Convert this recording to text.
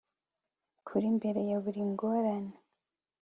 kuri mbere ya buri ngorane